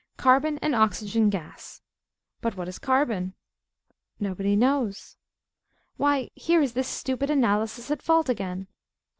Carbon and oxygen gas. But what is carbon? Nobody knows. Why, here is this stupid Analysis at fault again.